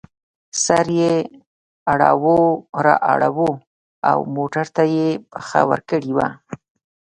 سر یې اړو را اړوو او موټر ته یې پښه ورکړې وه.